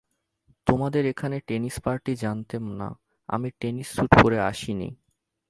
তোমাদের এখানে tennis party জানতেম না, আমি টেনিস সুট পরে আসি নি।